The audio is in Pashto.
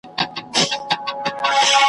د وګړو به سول پورته آوازونه `